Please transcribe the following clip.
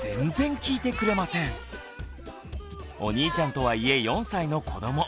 お兄ちゃんとはいえ４歳の子ども。